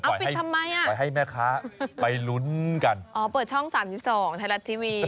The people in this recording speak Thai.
เอาปิดทำไมอ่ะไปให้แม่ค้าไปลุ้นกันอ๋อเปิดช่องสามสิบสองไทยรัฐทีวี